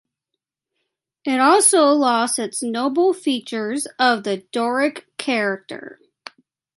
It also lost its "noble features of the Doric character".